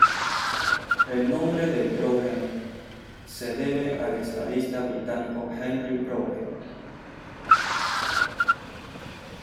El nombre de "Brougham" se debe al estadista británico Henry Brougham.